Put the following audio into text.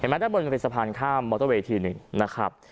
เห็นไหมด้านบนมันเป็นสะพานข้ามมอเตอร์เวย์ทีนึงนะครับ